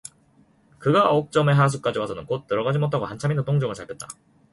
그가 옥점의 하숙까지 와서는 곧 들어가지 못하고 한참이나 동정을 살폈다.